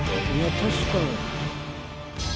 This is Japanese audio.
確かに。